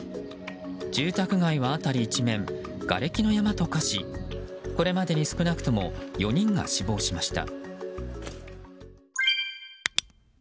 住宅街は辺り一面がれきの山と化しこれまでに少なくとも４人が死亡しました。